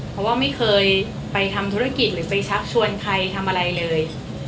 เพราะว่าไม่เคยไปทำธุรกิจหรือไปชักชวนใครทำอะไรเลย